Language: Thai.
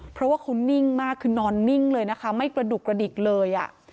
เพราะว่าเขานิ่งมากคือนอนนิ่งเลยนะคะไม่กระดุกกระดิกเลย